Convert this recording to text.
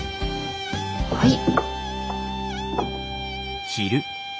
はい。